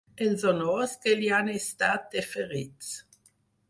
Els honors que li han estat deferits.